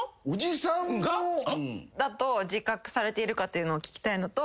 だと自覚されているかっていうのを聞きたいのと。